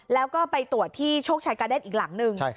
แล้วก็ไปตรวจที่โชคชัยกาเด้นอีกหลังหนึ่ง